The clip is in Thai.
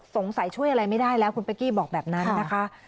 ช่วยอะไรไม่ได้แล้วคุณเป๊กกี้บอกแบบนั้นนะคะ